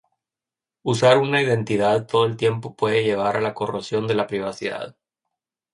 Usar una identidad todo el tiempo puede llevar a la corrosión de la privacidad.